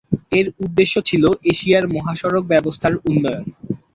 এর উদ্দেশ্য ছিল এশিয়ার মহাসড়ক ব্যবস্থার উন্নয়ন।